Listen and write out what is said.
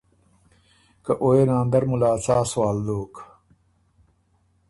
که او يې ناندر مُلا څا سوال دوک؟